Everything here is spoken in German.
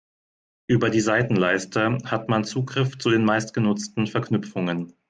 Über die Seitenleiste hat man Zugriff zu den meistgenutzten Verknüpfungen.